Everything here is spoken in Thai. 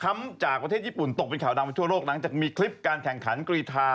มีข่าวดังมาทั่วโลกหลังจากมีคลิปการแข่งขันกรีธา